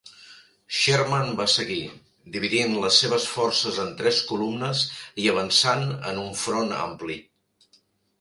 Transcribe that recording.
Sherman va seguir, dividint les seves forces en tres columnes i avançant en un front ampli.